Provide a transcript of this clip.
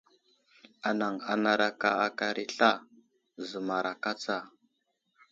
Anaŋ anaraka aka aray i sla, zəmaraka tsa.